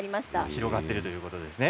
広がっているということですね。